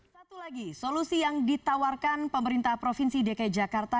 satu lagi solusi yang ditawarkan pemerintah provinsi dki jakarta